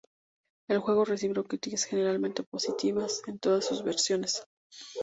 El juego recibió críticas generalmente positivas en todas sus versiones.